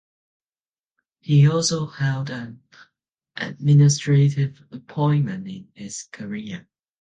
He also held an administrative appointment in his career.